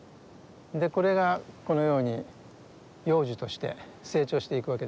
これがこのように幼樹として成長していくわけですね。